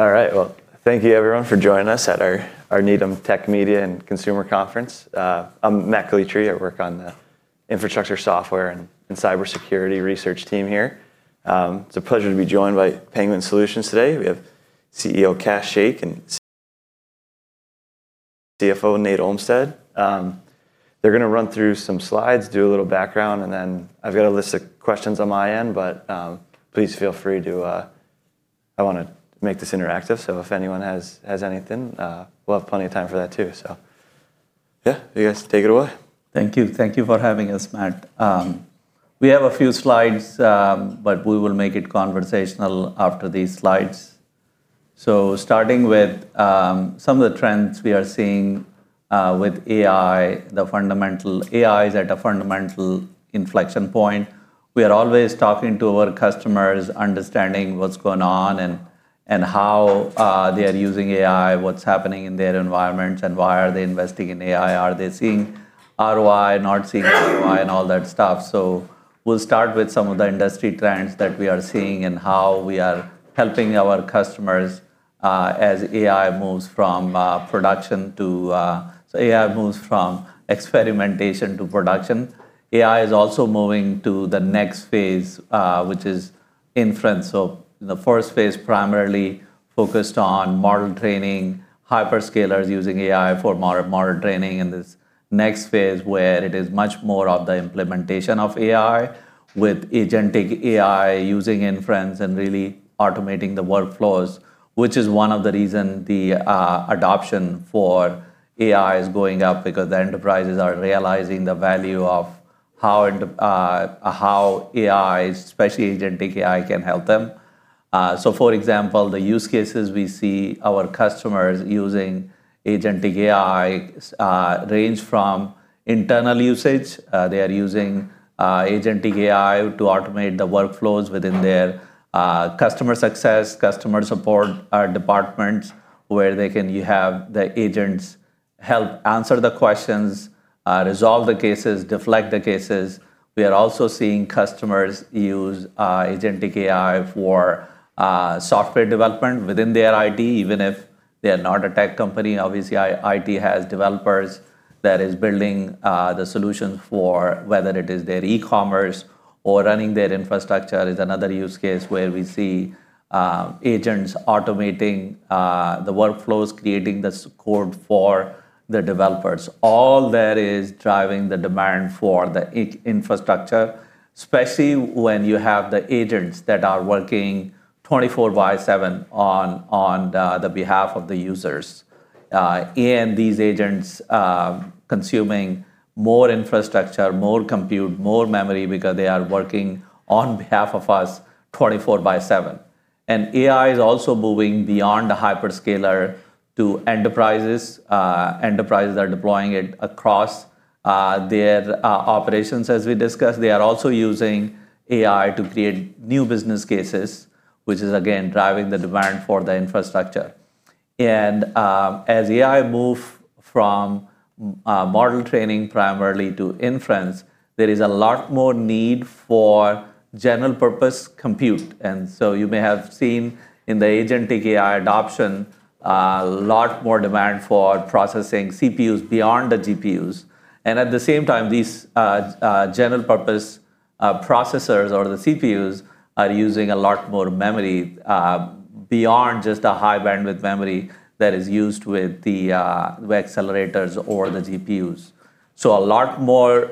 All right. Well, thank you everyone for joining us at our Needham Tech, Media, and Consumer Conference. I'm Matt Calitri. I work on the infrastructure software and cybersecurity research team here. It's a pleasure to be joined by Penguin Solutions today. We have CEO Kash Shaikh and CFO Nate Olmstead. They're gonna run through some slides, do a little background, then I've got a list of questions on my end, but please feel free to. I wanna make this interactive, so if anyone has anything, we'll have plenty of time for that too. Yeah, you guys take it away. Thank you. Thank you for having us, Matt. We have a few slides, but we will make it conversational after these slides. So starting with some of the trends we are seeing with AI is at a fundamental inflection point. We are always talking to our customers, understanding what's going on and how they are using AI, what's happening in their environment, and why are they investing in AI? Are they seeing ROI, not seeing ROI, and all that stuff. We will start with some of the industry trends that we are seeing and how we are helping our customers as AI moves from experimentation to production. AI is also moving to the next phase, which is inference. The first phase primarily focused on model training, hyperscalers using AI for model training. This next phase where it is much more of the implementation of AI with agentic AI using inference and really automating the workflows, which is one of the reason the adoption for AI is going up because the enterprises are realizing the value of how AI, especially agentic AI, can help them. For example, the use cases we see our customers using agentic AI range from internal usage. They are using agentic AI to automate the workflows within their customer success, customer support, departments, where they can have the agents help answer the questions, resolve the cases, deflect the cases. We are also seeing customers use agentic AI for software development within their IT, even if they are not a tech company. Obviously, IT has developers that is building the solution for whether it is their e-commerce or running their infrastructure is another use case where we see agents automating the workflows, creating the support for the developers. All that is driving the demand for the infrastructure, especially when you have the agents that are working 24 by 7 on behalf of the users. These agents consuming more infrastructure, more compute, more memory because they are working on behalf of us 24 by 7. AI is also moving beyond the hyperscaler to enterprises. Enterprises are deploying it across their operations as we discussed. They are also using AI to create new business cases, which is again, driving the demand for the infrastructure. As AI move from model training primarily to inference, there is a lot more need for general purpose compute. You may have seen in the agentic AI adoption, a lot more demand for processing CPUs beyond the GPUs. At the same time, these general purpose processors or the CPUs are using a lot more memory beyond just the High Bandwidth Memory that is used with the accelerators or the GPUs. A lot more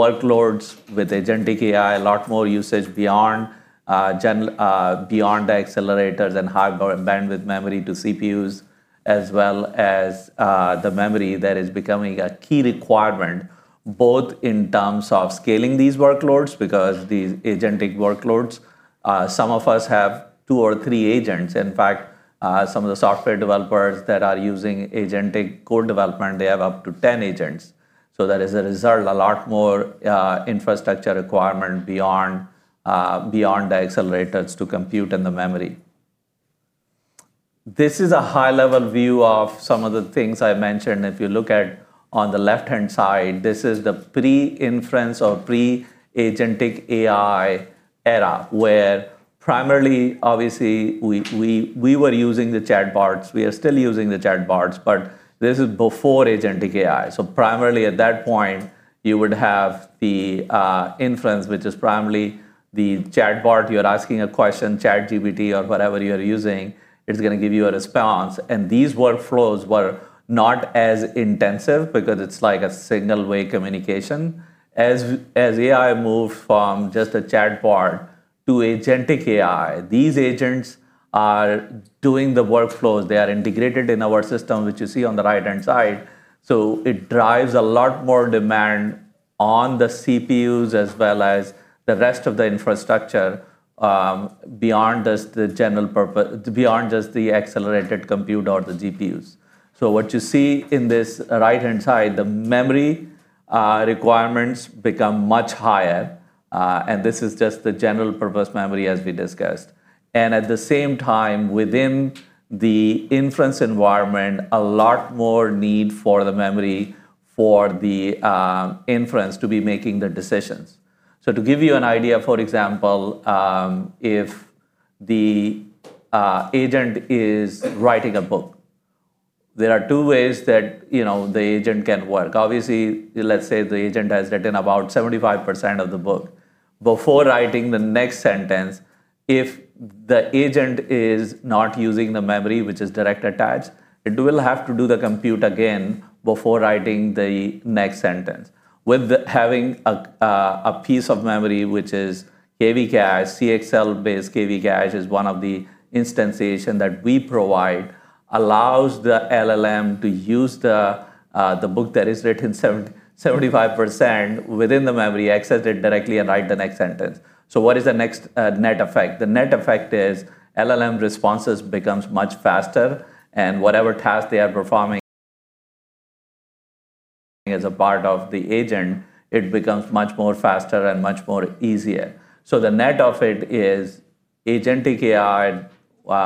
workloads with agentic AI, a lot more usage beyond beyond the accelerators and High Bandwidth Memory to CPUs, as well as the memory that is becoming a key requirement, both in terms of scaling these workloads, because these agentic workloads, some of us have 2 or 3 agents. In fact, some of the software developers that are using agentic code development, they have up to 10 agents. That as a result, a lot more infrastructure requirement beyond beyond the accelerators to compute and the memory. This is a high-level view of some of the things I mentioned. If you look at on the left-hand side, this is the pre-inference or pre-agentic AI era, where primarily, obviously, we were using the chatbots. We are still using the chatbots, but this is before agentic AI. Primarily at that point, you would have the inference, which is primarily the chatbot. You're asking a question, ChatGPT or whatever you're using, it's gonna give you a response. These workflows were not as intensive because it's like a signal way communication. As AI moved from just a chatbot to agentic AI, these agents are doing the workflows. They are integrated in our system, which you see on the right-hand side. It drives a lot more demand on the CPUs as well as the rest of the infrastructure, beyond just the accelerated compute or the GPUs. What you see in this right-hand side, the memory requirements become much higher. This is just the general purpose memory as we discussed. At the same time, within the inference environment, a lot more need for the memory for the inference to be making the decisions. To give you an idea, for example, if the agent is writing a book, there are two ways that, you know, the agent can work. Obviously, let's say the agent has written about 75% of the book. Before writing the next sentence, if the agent is not using the memory which is direct attached, it will have to do the compute again before writing the next sentence. Having a piece of memory which is KV cache, CXL-based KV cache is one of the instantiation that we provide, allows the LLM to use the book that is written 75% within the memory, access it directly and write the next sentence. What is the next net effect? The net effect is LLM responses becomes much faster and whatever task they are performing as a part of the agent, it becomes much more faster and much more easier. The net of it is agentic AI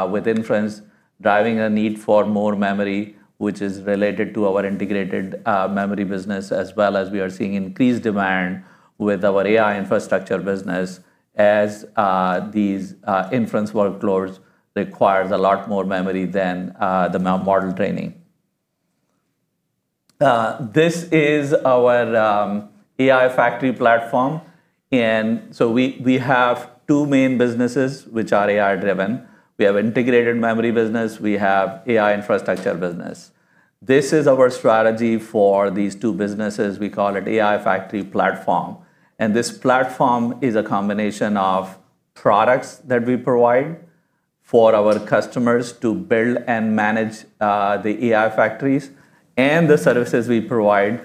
with inference driving a need for more memory, which is related to our integrated memory business, as well as we are seeing increased demand with our AI infrastructure business as these inference workloads requires a lot more memory than model training. This is our AI factory platform. We have two main businesses which are AI-driven. We have integrated memory business. We have AI infrastructure business. This is our strategy for these two businesses. We call it AI factory platform. This platform is a combination of products that we provide for our customers to build and manage the AI factories and the services we provide.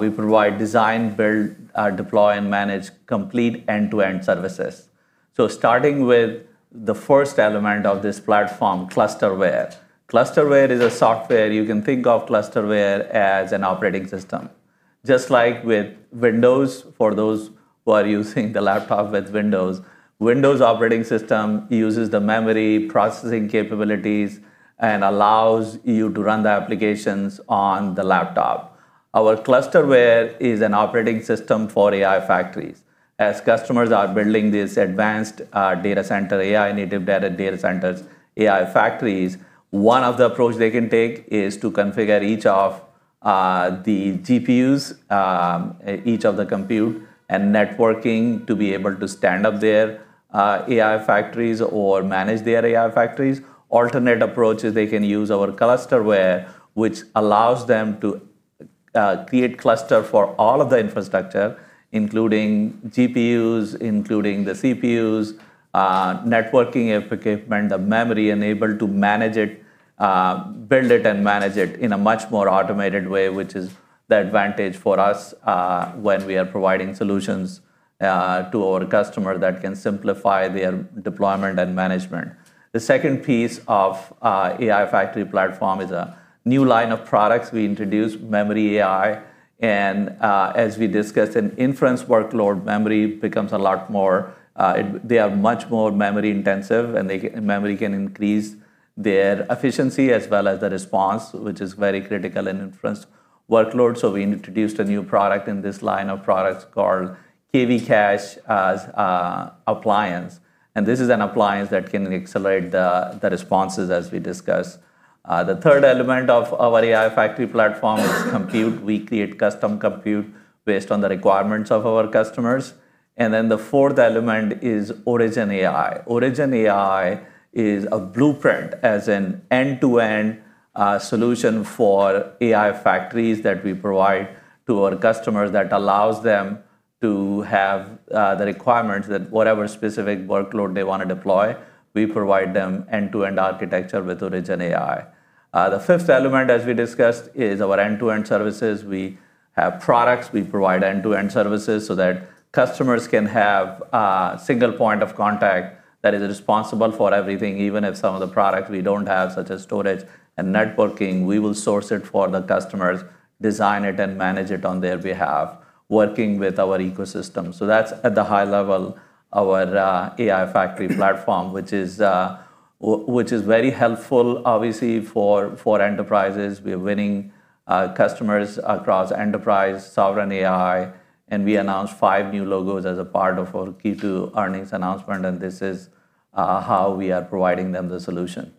We provide design, build, deploy, and manage complete end-to-end services. Starting with the first element of this platform, ClusterWare. ClusterWare is a software. You can think of ClusterWare as an operating system. Just like with Windows, for those who are using the laptop with Windows. Windows operating system uses the memory processing capabilities and allows you to run the applications on the laptop. Our ClusterWare is an operating system for AI factories. As customers are building these advanced, data center, AI native data centers, AI factories, one of the approach they can take is to configure each of the GPUs, each of the compute and networking to be able to stand up their AI factories or manage their AI factories. Alternate approaches, they can use our ClusterWare, which allows them to create cluster for all of the infrastructure, including GPUs, including the CPUs, networking equipment, the memory, and able to manage it, build it and manage it in a much more automated way, which is the advantage for us, when we are providing solutions to our customer that can simplify their deployment and management. The second piece of AI factory platform is a new line of products. We introduced MemoryAI, as we discussed, in inference workload, memory becomes a lot more, they are much more memory intensive, and memory can increase their efficiency as well as the response, which is very critical in inference workload. We introduced a new product in this line of products called KV cache as Appliance, and this is an appliance that can accelerate the responses as we discussed. The third element of our AI factory platform is compute. We create custom compute based on the requirements of our customers. The fourth element is OriginAI. OriginAI is a blueprint as an end-to-end solution for AI factories that we provide to our customers that allows them to have the requirements that whatever specific workload they wanna deploy, we provide them end-to-end architecture with OriginAI. The fifth element as we discussed is our end-to-end services. We have products. We provide end-to-end services so that customers can have a single point of contact that is responsible for everything. Even if some of the product we don't have, such as storage and networking, we will source it for the customers, design it and manage it on their behalf, working with our ecosystem. That's at the high level our AI factory platform, which is very helpful obviously for enterprises. We are winning customers across enterprise, sovereign AI, and we announced five new logos as a part of our Q2 earnings announcement, and this is how we are providing them the solution.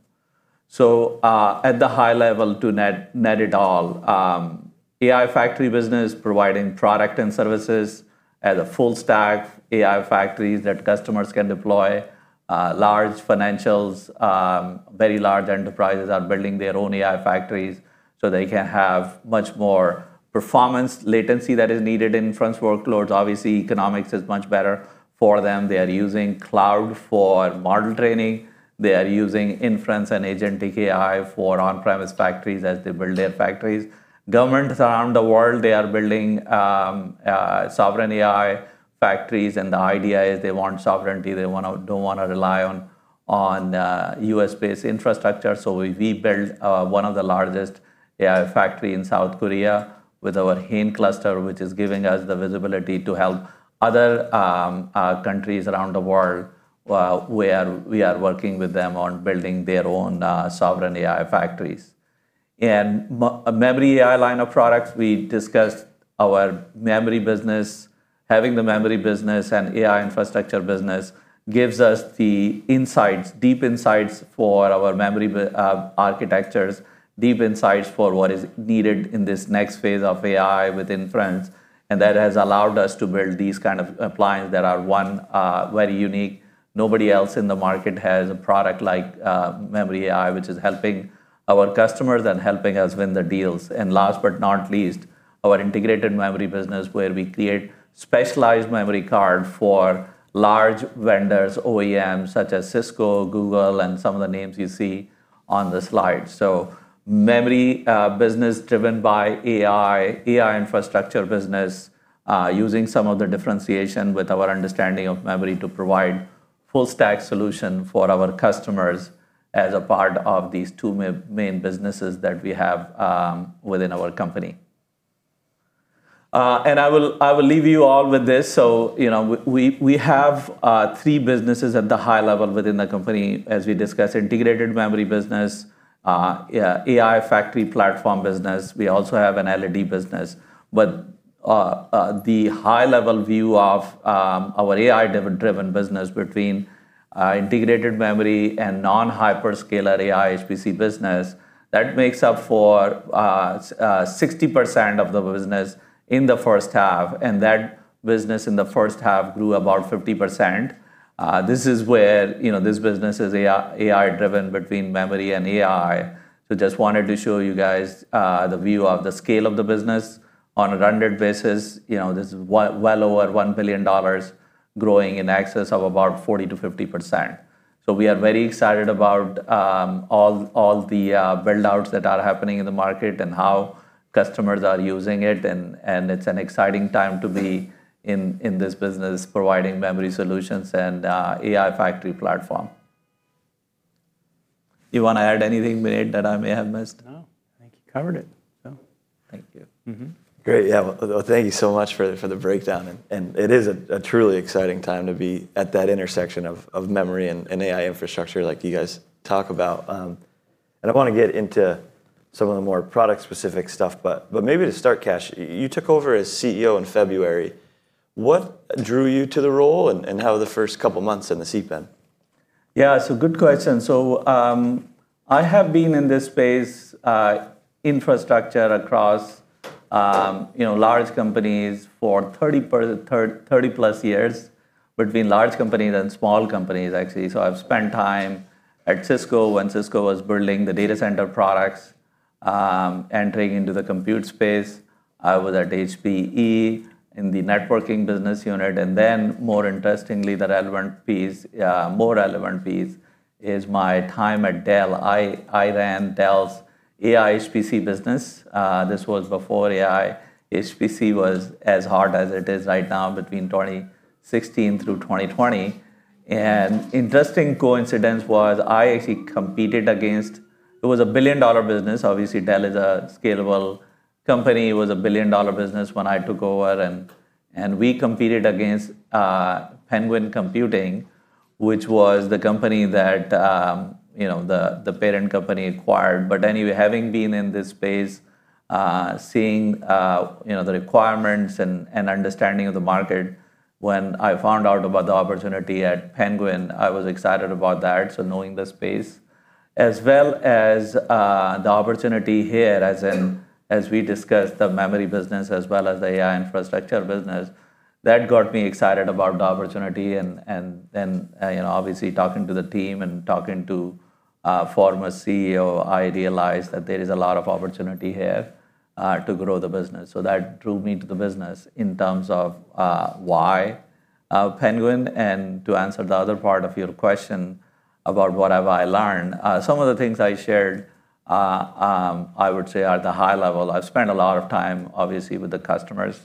At the high level to net it all, AI factory business providing product and services as a full-stack AI factories that customers can deploy. Large financials, very large enterprises are building their own AI factories so they can have much more performance latency that is needed in inference workloads. Obviously, economics is much better for them. They are using cloud for model training. They are using inference and agentic AI for on-premise factories as they build their factories. Governments around the world, they are building sovereign AI factories, and the idea is they want sovereignty. They don't wanna rely on U.S.-based infrastructure. We built one of the largest AI factory in South Korea with our NHN Cluster, which is giving us the visibility to help other countries around the world, where we are working with them on building their own sovereign AI factories. MemoryAI line of products, we discussed our memory business. Having the memory business and AI infrastructure business gives us the insights, deep insights for our memory architectures, deep insights for what is needed in this next phase of AI with inference. That has allowed us to build these kind of appliance that are one very unique. Nobody else in the market has a product like MemoryAI, which is helping our customers and helping us win the deals. Last but not least, our integrated memory business where we create specialized memory card for large vendors, OEMs such as Cisco, Google, and some of the names you see on the slide. Memory business driven by AI infrastructure business, using some of the differentiation with our understanding of memory to provide full stack solution for our customers as a part of these two main businesses that we have within our company. I will leave you all with this. You know, we have three businesses at the high level within the company as we discuss integrated memory business, AI factory platform business. We also have an LED business. The high level view of our AI driven business between integrated memory and non-hyperscaler AI HPC business, that makes up for 60% of the business in the first half, and that business in the first half grew about 50%. This is where, you know, this business is AI driven between memory and AI. Just wanted to show you guys the view of the scale of the business on a run rate basis. You know, this is well over $1 billion growing in excess of about 40%-50%. We are very excited about all the build-outs that are happening in the market and how customers are using it and it's an exciting time to be in this business providing memory solutions and AI factory platform. You wanna add anything, Nate Olmstead, that I may have missed? No. I think you covered it. Thank you. Great. Yeah. Well, thank you so much for the breakdown and it is a truly exciting time to be at that intersection of memory and AI infrastructure like you guys talk about. I wanna get into some of the more product specific stuff but maybe to start, Kash, you took over as CEO in February. What drew you to the role and how have the first couple months in the seat been? Good question. I have been in this space, infrastructure across, you know, large companies for 30+ years, between large companies and small companies actually. I've spent time at Cisco when Cisco was building the data center products, entering into the compute space. I was at HPE in the networking business unit, more interestingly, the relevant piece, more relevant piece is my time at Dell. I ran Dell's AI HPC business. This was before AI HPC was as hard as it is right now between 2016 through 2020. Interesting coincidence was it was a $1 billion business. Obviously, Dell is a scalable company. It was a $1 billion business when I took over and we competed against Penguin Computing, which was the company that the parent company acquired. Anyway, having been in this space, seeing, you know, the requirements and understanding of the market, when I found out about the opportunity at Penguin, I was excited about that. Knowing the space, as well as the opportunity here, as we discussed, the memory business as well as the AI infrastructure business, that got me excited about the opportunity and, obviously talking to the team and talking to a former CEO, I realized that there is a lot of opportunity here to grow the business. That drew me to the business in terms of why Penguin. To answer the other part of your question about what have I learned, some of the things I shared, I would say at the high level. I've spent a lot of time, obviously, with the customers,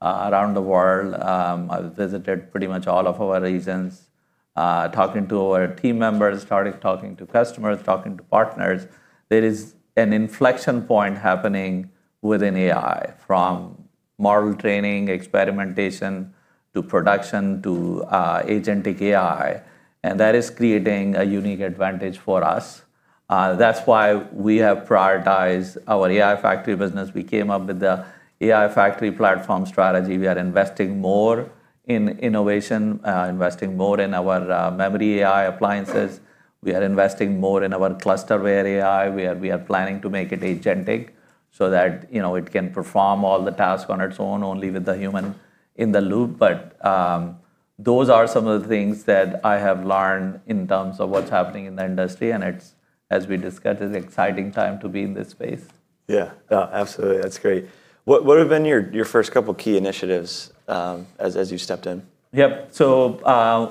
around the world. I've visited pretty much all of our regions, talking to our team members, talking to customers, talking to partners. There is an inflection point happening within AI, from model training, experimentation, to production, to agentic AI, and that is creating a unique advantage for us. That's why we have prioritized our AI factory business. We came up with the AI factory platform strategy. We are investing more in innovation, investing more in our MemoryAI appliances. We are investing more in our Scyld ClusterWare AI. We are planning to make it agentic so that, you know, it can perform all the tasks on its own, only with the human in the loop. Those are some of the things that I have learned in terms of what's happening in the industry, and it's, as we discussed, it's exciting time to be in this space. Yeah. No, absolutely. That's great. What have been your first couple key initiatives as you stepped in? Yep.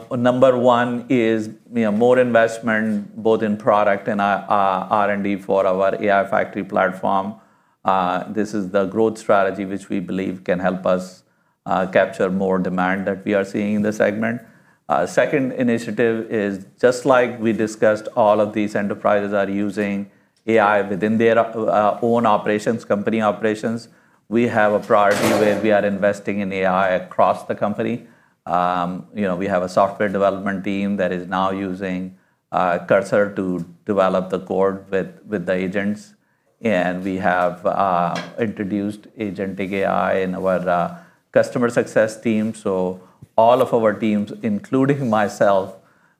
Number one is, you know, more investment both in product and R&D for our AI factory platform. This is the growth strategy which we believe can help us capture more demand that we are seeing in this segment. Second initiative is just like we discussed, all of these enterprises are using AI within their own operations, company operations. We have a priority where we are investing in AI across the company. You know, we have a software development team that is now using Cursor to develop the code with the agents, and we have introduced agentic AI in our customer success team. All of our teams, including myself,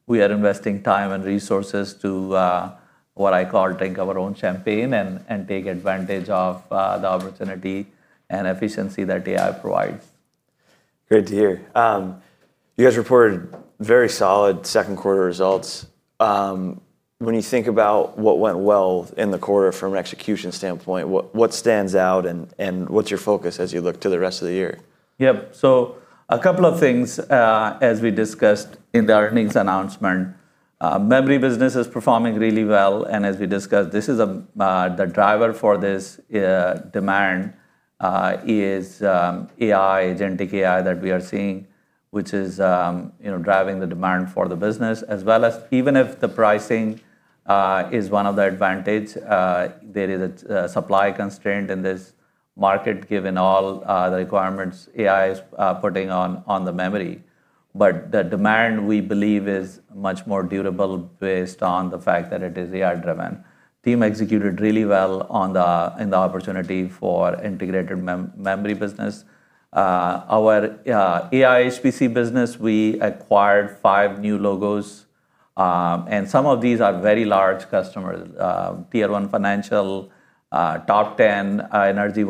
we are investing time and resources to what I call drink our own champagne and take advantage of the opportunity and efficiency that AI provides. Great to hear. You guys reported very solid second quarter results. When you think about what went well in the quarter from an execution standpoint, what stands out and what's your focus as you look to the rest of the year? Yeah. A couple of things, as we discussed in the earnings announcement. Memory business is performing really well, and as we discussed, this is the driver for this demand is AI, agentic AI that we are seeing, which is, you know, driving the demand for the business. As well as even if the pricing is one of the advantage, there is a supply constraint in this market given all the requirements AI is putting on the memory. The demand, we believe, is much more durable based on the fact that it is AI-driven. Team executed really well in the opportunity for integrated memory business. Our AI HPC business, we acquired five new logos, and some of these are very large customers. Tier 1 financial, top 10 energy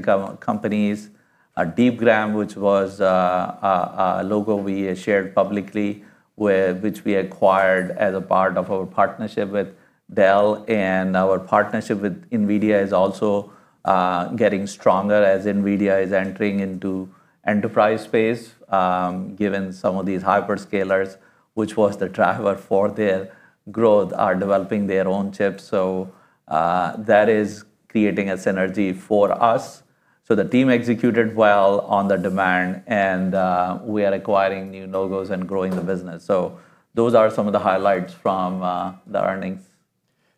companies. Deepgram, which was a logo we shared publicly with which we acquired as a part of our partnership with Dell and our partnership with NVIDIA is also getting stronger as NVIDIA is entering into enterprise space. Given some of these hyperscalers, which was the driver for their growth, are developing their own chips. That is creating a synergy for us. The team executed well on the demand, and we are acquiring new logos and growing the business. Those are some of the highlights from the earnings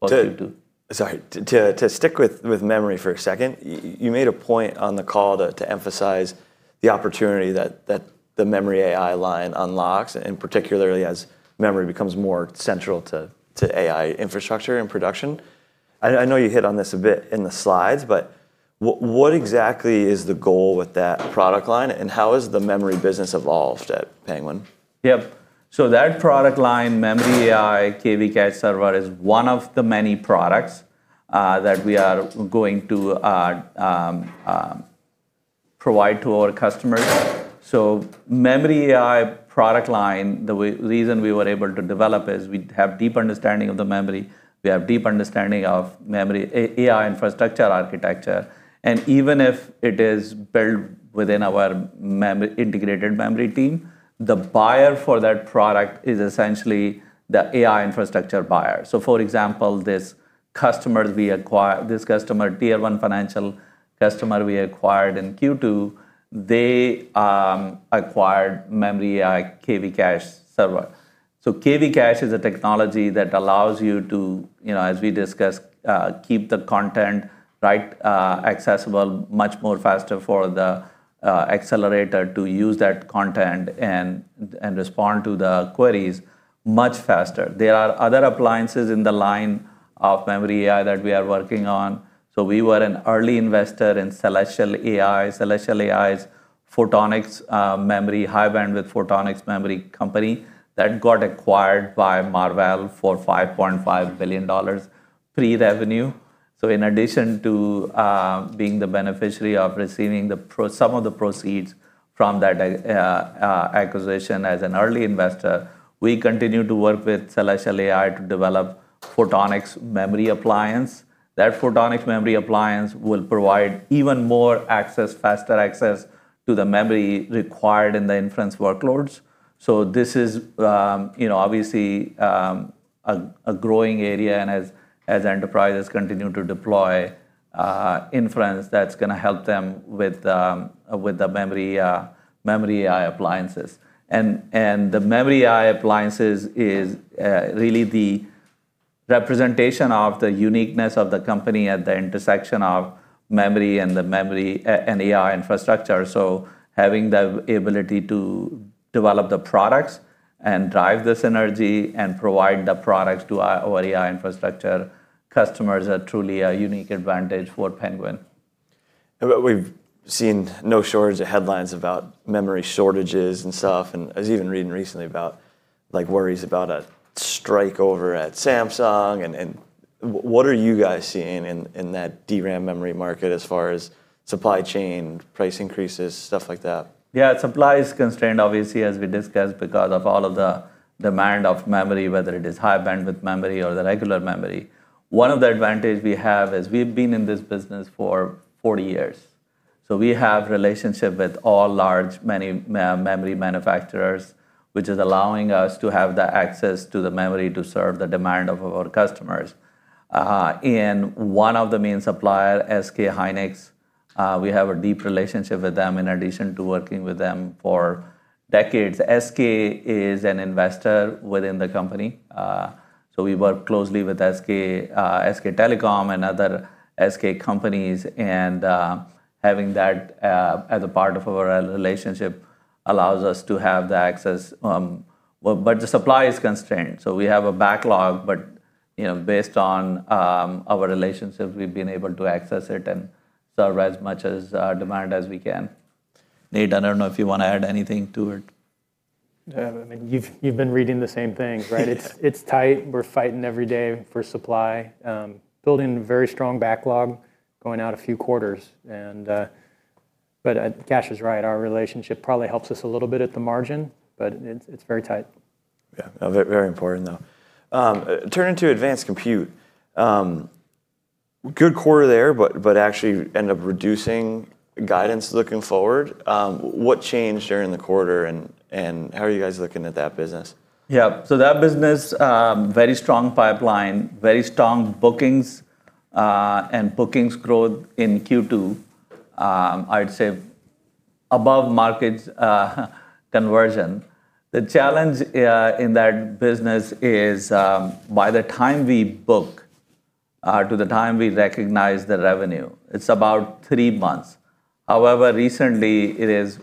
for Q2. Sorry. To stick with memory for a second, you made a point on the call to emphasize the opportunity that the MemoryAI line unlocks, and particularly as memory becomes more central to AI infrastructure and production. I know you hit on this a bit in the slides, but what exactly is the goal with that product line, and how has the memory business evolved at Penguin Solutions? Yeah. That product line, MemoryAI KV cache server, is one of the many products that we are going to provide to our customers. MemoryAI product line, the reason we were able to develop is we have deep understanding of the memory. We have deep understanding of AI infrastructure architecture. Even if it is built within our integrated memory team, the buyer for that product is essentially the AI infrastructure buyer. For example, this customer, Tier 1 financial customer we acquired in Q2, they acquired MemoryAI KV cache server. KV cache is a technology that allows you to, you know, as we discussed, keep the content, right, accessible much more faster for the accelerator to use that content and respond to the queries much faster. There are other appliances in the line of MemoryAI that we are working on. We were an early investor in Celestial AI. Celestial AI is photonics high bandwidth photonics memory company that got acquired by Marvell for $5.5 billion pre-revenue. In addition to being the beneficiary of receiving some of the proceeds from that acquisition as an early investor, we continue to work with Celestial AI to develop photonics memory appliance. That photonics memory appliance will provide even more access, faster access to the memory required in the inference workloads. This is, you know, obviously, a growing area and as enterprises continue to deploy inference, that's gonna help them with the MemoryAI appliances. The MemoryAI appliances is really the representation of the uniqueness of the company at the intersection of memory and AI infrastructure. Having the ability to develop the products and drive the synergy and provide the products to our AI infrastructure customers are truly a unique advantage for Penguin. We've seen no shortage of headlines about memory shortages and stuff, and I was even reading recently about, like, worries about a strike over at Samsung, and what are you guys seeing in that DRAM memory market as far as supply chain, price increases, stuff like that? Yeah. Supply is constrained, obviously, as we discussed, because of all of the demand of memory, whether it is High Bandwidth Memory or the regular memory. One of the advantage we have is we've been in this business for 40 years. We have relationship with all large many memory manufacturers, which is allowing us to have the access to the memory to serve the demand of our customers. One of the main supplier, SK hynix, we have a deep relationship with them in addition to working with them for decades. SK is an investor within the company. We work closely with SK Telecom and other SK companies, having that as a part of our relationship allows us to have the access. The supply is constrained, so we have a backlog, but, you know, based on our relationship, we've been able to access it and serve as much as demand as we can. Nate, I don't know if you wanna add anything to it. Yeah, I mean, you've been reading the same thing, right? It's tight. We're fighting every day for supply. Building a very strong backlog, going out a few quarters. Kash is right, our relationship probably helps us a little bit at the margin, but it's very tight. Yeah. Very important, though. Turning to advanced compute. Good quarter there, but actually end up reducing guidance looking forward. What changed during the quarter and how are you guys looking at that business? Yeah. That business, very strong pipeline, very strong bookings, and bookings growth in Q2, I'd say above market conversion. The challenge in that business is by the time we book to the time we recognize the revenue, it's about 3 months. However, recently it is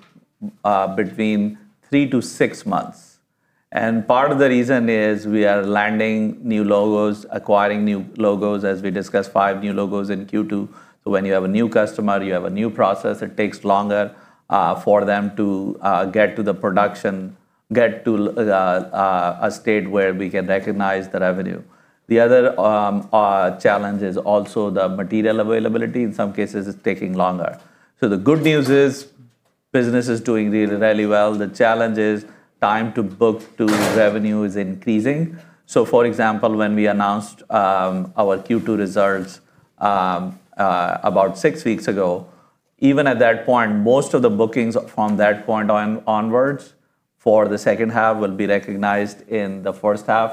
between 3 to 6 months, and part of the reason is we are landing new logos, acquiring new logos, as we discussed 5 new logos in Q2. When you have a new customer, you have a new process, it takes longer for them to get to the production, get to a state where we can recognize the revenue. The other challenge is also the material availability. In some cases, it's taking longer. The good news is business is doing really well. The challenge is time to book to revenue is increasing. For example, when we announced our Q2 results about 6 weeks ago, even at that point, most of the bookings from that point onwards for the second half will be recognized in the first half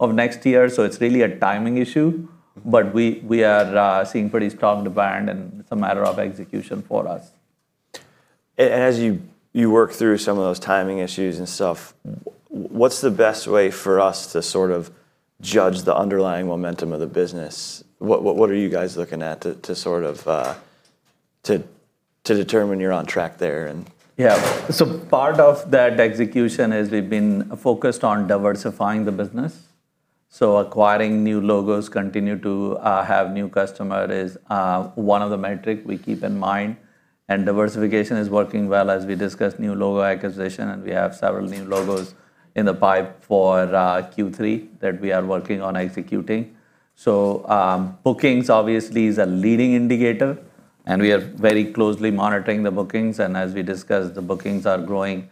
of next year. It's really a timing issue. We are seeing pretty strong demand, and it's a matter of execution for us. As you work through some of those timing issues and stuff, what's the best way for us to sort of judge the underlying momentum of the business? What are you guys looking at to sort of to determine you're on track there? Part of that execution is we've been focused on diversifying the business. Acquiring new logos, continue to have new customer is one of the metric we keep in mind. Diversification is working well as we discuss new logo acquisition, and we have several new logos in the pipe for Q3 that we are working on executing. Bookings obviously is a leading indicator, and we are very closely monitoring the bookings. As we discussed, the bookings are growing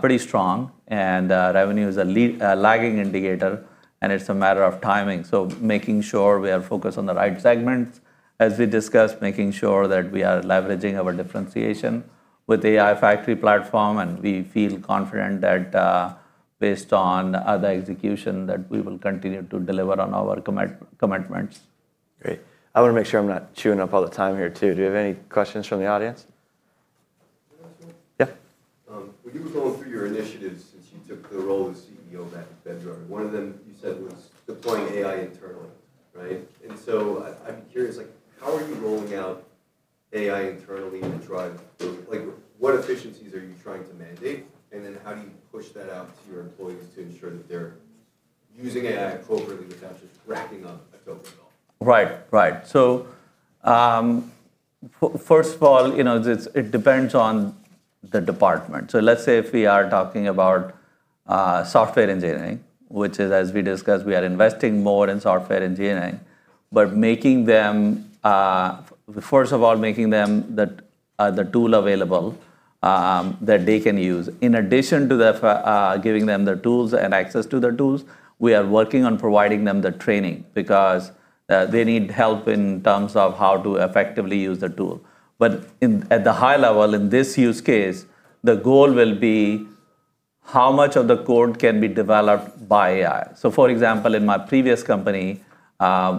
pretty strong. Revenue is a lagging indicator, and it's a matter of timing. Making sure we are focused on the right segments, as we discussed, making sure that we are leveraging our differentiation with AI factory platform. We feel confident that, based on the execution, that we will continue to deliver on our commitments. Great. I wanna make sure I'm not chewing up all the time here too. Do we have any questions from the audience? Can I ask one? Yeah. When you were going through your initiatives since you took the role as CEO back at Bedrock, one of them you said was deploying AI internally, right? I'm curious, like, how are you rolling out AI internally to drive? Like, what efficiencies are you trying to mandate? How do you push that out to your employees to ensure that they're using AI appropriately without just racking up a token bill? Right. Right. First of all, you know, it's, it depends on the department. Let's say if we are talking about software engineering, which is, as we discussed, we are investing more in software engineering, but making them, first of all, making them the tool available that they can use. In addition to the giving them the tools and access to the tools, we are working on providing them the training because they need help in terms of how to effectively use the tool. In, at the high level, in this use case, the goal will be how much of the code can be developed by AI. For example, in my previous company,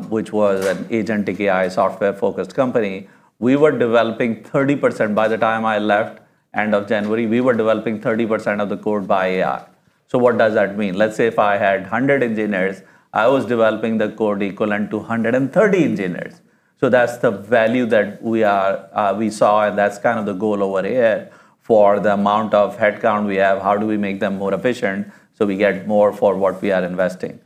which was an agentic AI software-focused company, we were developing 30% by the time I left end of January. We were developing 30% of the code by AI. What does that mean? Let's say if I had 100 engineers, I was developing the code equivalent to 130 engineers. That's the value that we are, we saw, and that's kind of the goal over here. For the amount of headcount we have, how do we make them more efficient so we get more for what we are investing?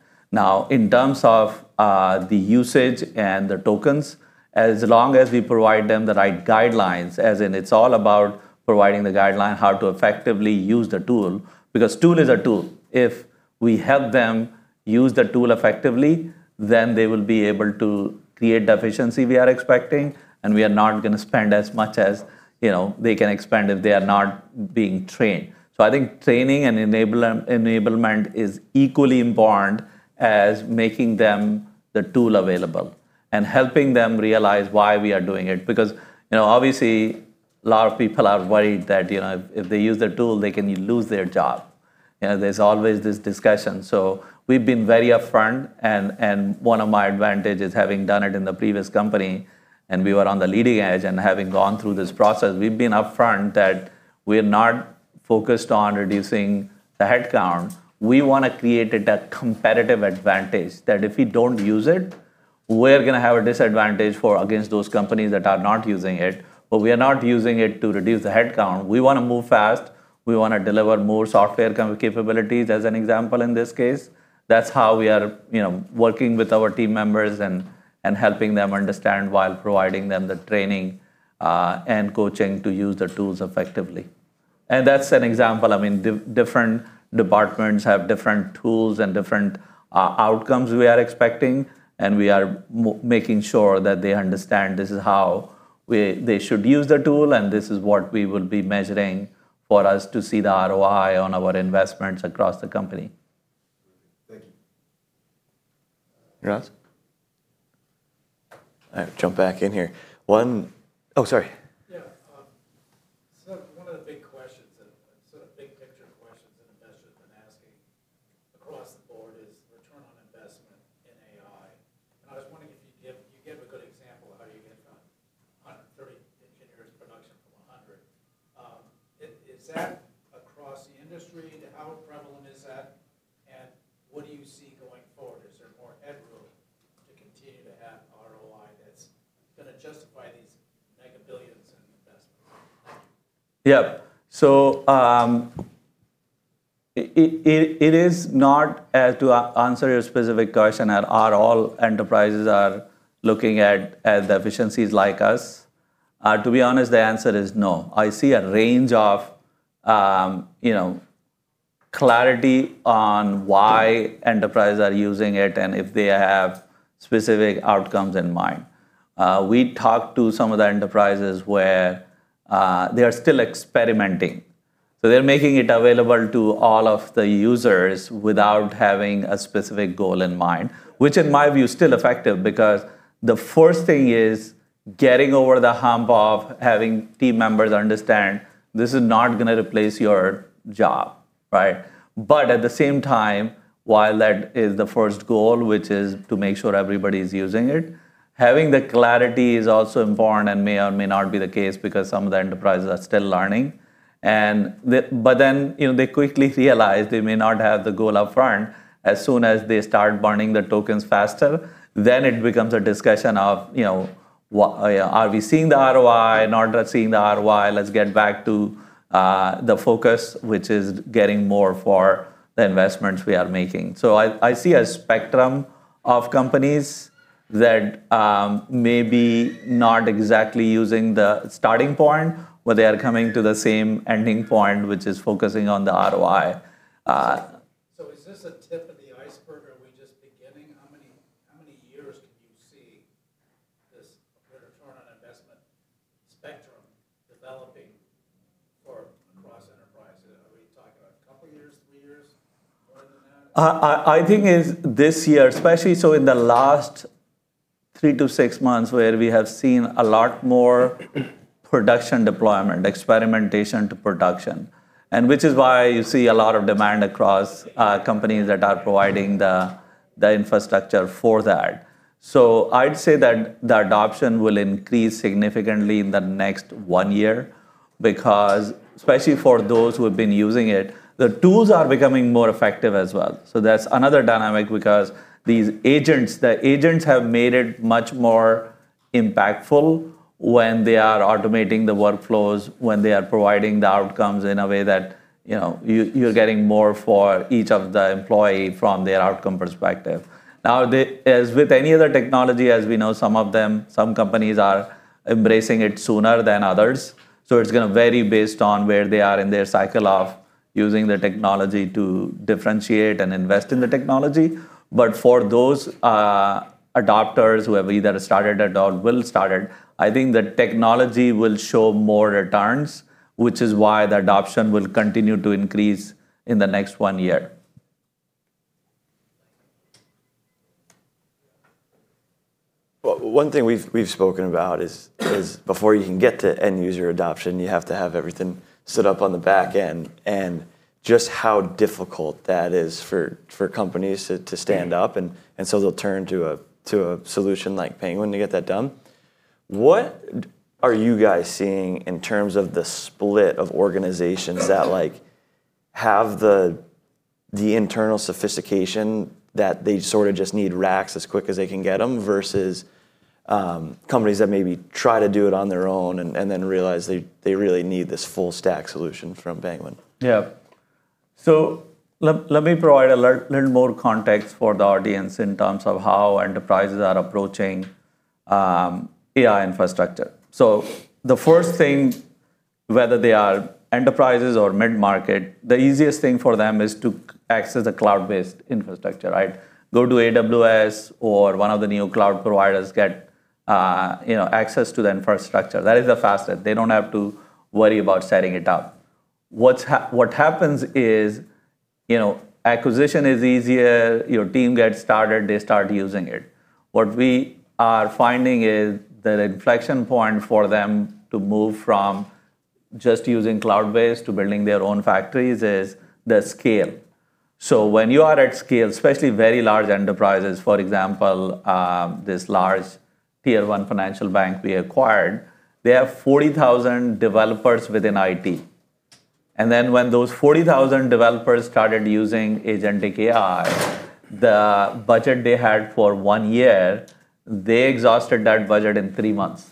In terms of the usage and the tokens, as long as we provide them the right guidelines, as in it's all about providing the guideline how to effectively use the tool, because tool is a tool. If we help them use the tool effectively, then they will be able to create the efficiency we are expecting, and we are not gonna spend as much as, you know, they can spend if they are not being trained. I think training and enablement is equally important as making them the tool available and helping them realize why we are doing it. You know, obviously, a lot of people are worried that, you know, if they use the tool, they can lose their job. You know, there's always this discussion. We've been very upfront and one of my advantage is having done it in the previous company, and we were on the leading edge, and having gone through this process, we've been upfront that we're not focused on reducing the headcount. We wanna create that competitive advantage that if we don't use it, we're gonna have a disadvantage against those companies that are not using it. We are not using it to reduce the headcount. We wanna move fast, we wanna deliver more software kind of capabilities as an example in this case. That's how we are, you know, working with our team members and helping them understand while providing them the training and coaching to use the tools effectively. That's an example. I mean, different departments have different tools and different outcomes we are expecting, and we are making sure that they understand this is how they should use the tool and this is what we will be measuring for us to see the ROI on our investments across the company. Thank you. You're up? All right, jump back in here. Sorry. Yeah. One of the big questions and sort of big picture questions that investors have been asking across the board is return on investment in AI. You gave a good example of how you get 130 engineers production from 100. Is that across the industry? How prevalent is that? What do you see going forward? Is there more headroom to continue to have ROI that's gonna justify these mega billions in investments? Yeah. It is not to answer your specific question that all enterprises are looking at the efficiencies like us. To be honest, the answer is no. I see a range of, you know, clarity on why enterprises are using it and if they have specific outcomes in mind. We talked to some of the enterprises where they are still experimenting. They're making it available to all of the users without having a specific goal in mind, which in my view is still effective because the first thing is getting over the hump of having team members understand this is not gonna replace your job, right? At the same time, while that is the first goal, which is to make sure everybody's using it, having the clarity is also important and may or may not be the case because some of the enterprises are still learning. You know, they quickly realize they may not have the goal upfront. As soon as they start burning the tokens faster, it becomes a discussion of, you know, Are we seeing the ROI? Not seeing the ROI, let's get back to the focus, which is getting more for the investments we are making. I see a spectrum of companies that may be not exactly using the starting point, but they are coming to the same ending point, which is focusing on the ROI. Is this a tip of the iceberg? Are we just beginning? How many years can you see this computer return on investment spectrum developing or across enterprises? Are we talking about a couple years, three years, more than that? I think it's this year, especially so in the last 3-6 months where we have seen a lot more production deployment, experimentation to production, and which is why you see a lot of demand across companies that are providing the infrastructure for that. I'd say that the adoption will increase significantly in the next 1 year because especially for those who have been using it, the tools are becoming more effective as well. That's another dynamic because these agents have made it much more impactful when they are automating the workflows, when they are providing the outcomes in a way that, you know, you're getting more for each of the employee from their outcome perspective. As with any other technology, as we know some companies are embracing it sooner than others. It's gonna vary based on where they are in their cycle of using the technology to differentiate and invest in the technology. For those adopters who have either started it or will start it, I think the technology will show more returns, which is why the adoption will continue to increase in the next 1 year. One thing we've spoken about is before you can get to end user adoption, you have to have everything set up on the back end, and just how difficult that is for companies to stand up and so they'll turn to a solution like Penguin Solutions to get that done. What are you guys seeing in terms of the split of organizations that, like, have the internal sophistication that they sort of just need racks as quick as they can get them versus companies that maybe try to do it on their own and then realize they really need this full stack solution from Penguin Solutions? Let me provide a little more context for the audience in terms of how enterprises are approaching AI infrastructure. The first thing, whether they are enterprises or mid-market, the easiest thing for them is to access a cloud-based infrastructure, right? Go to AWS or one of the new cloud providers, get, you know, access to the infrastructure. That is a facet. They don't have to worry about setting it up. What happens is, you know, acquisition is easier, your team gets started, they start using it. What we are finding is the reflection point for them to move from just using cloud-based to building their own factories is the scale. When you are at scale, especially very large enterprises, for example, this large tier 1 financial bank we acquired, they have 40,000 developers within IT. When those 40,000 developers started using agentic AI, the budget they had for one year, they exhausted that budget in three months.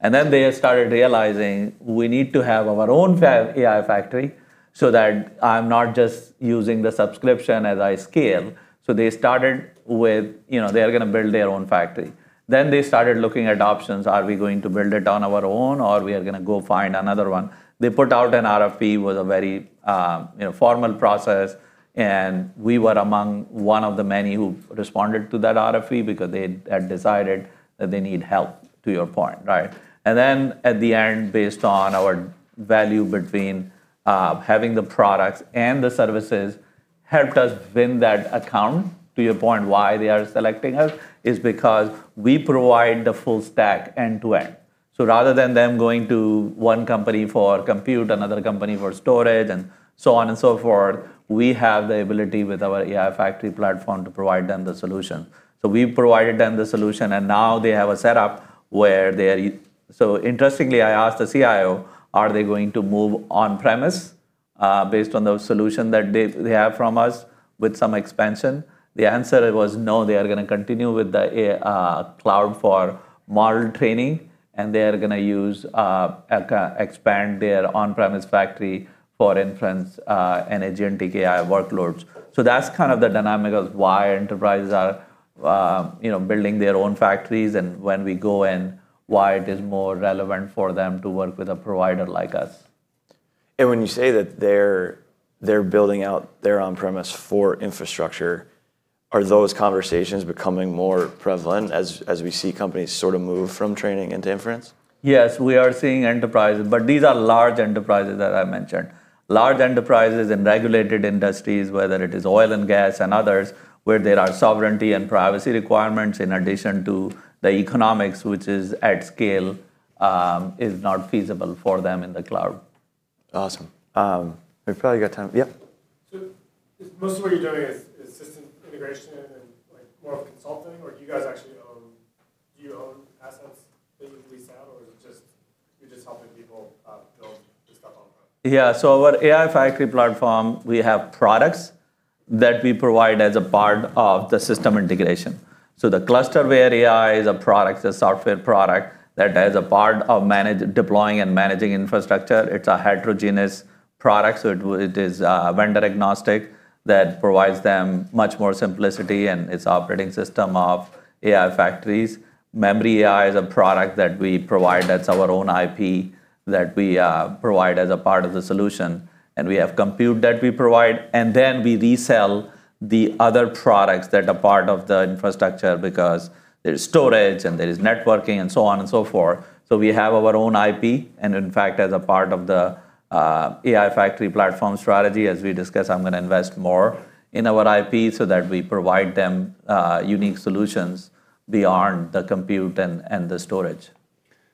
They started realizing, "We need to have our own AI factory so that I'm not just using the subscription as I scale." They started with, you know, they are gonna build their own factory. They started looking at options, "Are we going to build it on our own or we are gonna go find another one?" They put out an RFP with a very, you know, formal process, and we were among one of the many who responded to that RFP because they had decided that they need help, to your point, right? At the end, based on our value between having the products and the services, helped us win that account. To your point, why they are selecting us is because we provide the full stack end to end. Rather than them going to 1 company for compute, another company for storage and so on and so forth, we have the ability with our AI factory platform to provide them the solution. We provided them the solution, and now they have a setup. Interestingly, I asked the CIO, are they going to move on premise based on those solution that they have from us with some expansion? The answer was no. They are going to continue with the AI cloud for model training, and they are going to use expand their on-premise factory for inference and agentic AI workloads. That's kind of the dynamic of why enterprises are, you know, building their own factories and when we go in, why it is more relevant for them to work with a provider like us. When you say that they're building out their on-premise for infrastructure, are those conversations becoming more prevalent as we see companies sort of move from training into inference? Yes, we are seeing enterprises, but these are large enterprises that I mentioned. Large enterprises in regulated industries, whether it is oil and gas and others, where there are sovereignty and privacy requirements in addition to the economics, which is at scale, is not feasible for them in the cloud. Awesome. We've probably got time. Yep. Is most of what you're doing is system integration and, like, more of consulting, or do you guys actually own assets that you lease out, or is it just, you're just helping people build this stuff on premise? Yeah. Our AI factory platform, we have products that we provide as a part of the system integration. The Scyld ClusterWare is a product, a software product, that is a part of deploying and managing infrastructure. It's a heterogeneous product, so it is vendor agnostic that provides them much more simplicity in its operating system of AI factories. MemoryAI is a product that we provide that's our own IP that we provide as a part of the solution, and we have compute that we provide. Then we resell the other products that are part of the infrastructure because there's storage and there is networking and so on and so forth. We have our own IP and in fact as a part of the AI factory platform strategy, as we discuss, I'm gonna invest more in our IP so that we provide them, unique solutions beyond the compute and the storage.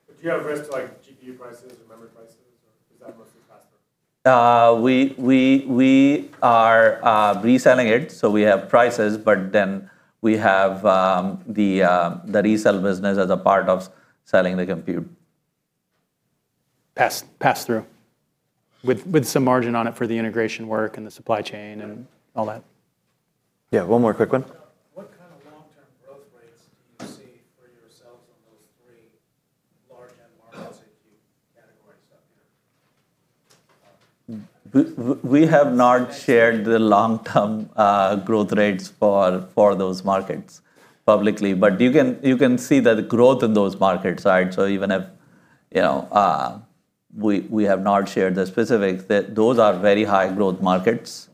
Do you have risk to, like, GPU prices or memory prices, or is that mostly pass-through? We are reselling it. We have prices. Then we have the resell business as a part of selling the compute. Pass through with some margin on it for the integration work and the supply chain. Right. All that. Yeah. One more quick one. What kind of long-term growth rates do you see for yourselves on those three large end markets that you categorized up here? We have not shared the long-term growth rates for those markets publicly. You can see the growth in those markets, right? Even if, you know, we have not shared the specifics, those are very high growth markets,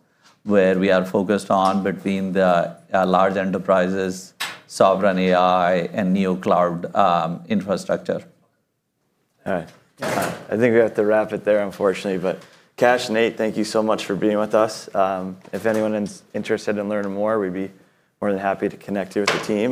where we are focused on between the large enterprises, sovereign AI, and new cloud infrastructure. All right. I think we have to wrap it there, unfortunately. Kash, Nate, thank you so much for being with us. If anyone is interested in learning more, we'd be more than happy to connect you with the team.